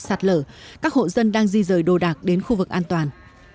trong khu vực giặt lở các hộ dân đang di rời đồ đạc đến khu vực an toàn